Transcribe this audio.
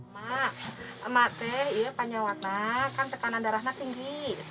mak mak teh ya panyawakna kan tekanan darahnya tinggi